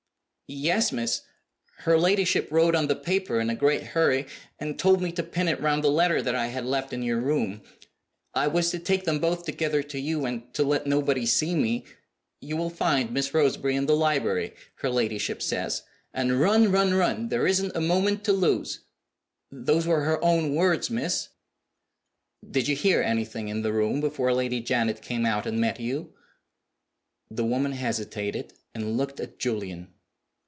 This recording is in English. "Yes, miss. Her ladyship wrote on the paper in a great hurry, and told me to pin it round the letter that I had left in your room. I was to take them both together to you, and to let nobody see me. 'You will find Miss Roseberry in the library' (her ladyship says), 'and run, run, run! there isn't a moment to lose!' Those were her own words, miss." "Did you hear anything in the room before Lady Janet came out and met you?" The woman hesitated, and looked at Julian.